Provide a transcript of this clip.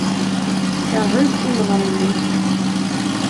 Keṛhent timeɣriwin.